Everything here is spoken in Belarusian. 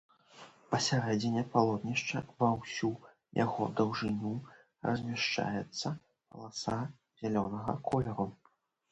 Пасярэдзіне палотнішча ва ўсю яго даўжыню размяшчаецца паласа зялёнага колеру.